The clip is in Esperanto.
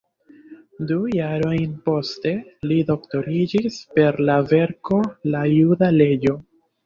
Du jarojn poste li doktoriĝis per la verko "La juda leĝo.